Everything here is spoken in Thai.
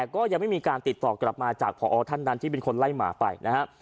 ก็ยังไม่มีการติดต่อกลับมาจากพอท่านนั้นที่เป็นคนไล่หมาไปนะครับ